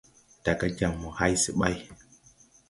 Daga jam mo hay se ɓay.